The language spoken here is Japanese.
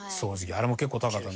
あれも結構高かった。